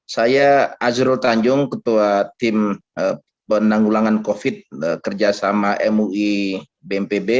saya azrul tanjung ketua tim penanggulangan covid sembilan belas kerjasama mui bmpb